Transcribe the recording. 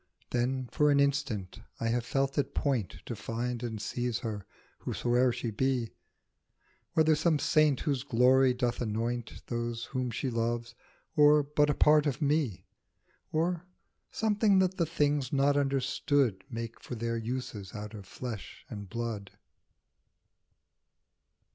Then for an instant I have felt at point To find and seize her, whosoe'er she be, Whether some saint whose glory doth anoint Those whom she loves, or but a part of me, Or something that the things not understood Make for their uses out of flesh and blood.